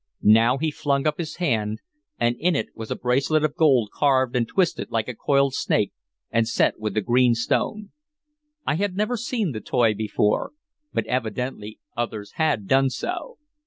Now he flung up his hand, and in it was a bracelet of gold carved and twisted like a coiled snake and set with a green stone. I had never seen the toy before, but evidently others had done so.